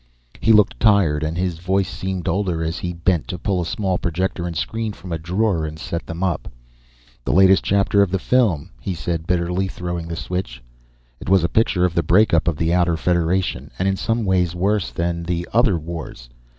He looked tired, and his voice seemed older as he bent to pull a small projector and screen from a drawer and set them up. "The latest chapter of the film," he said bitterly, throwing the switch. It was a picture of the breakup of the Outer Federation, and in some ways worse than the other wars.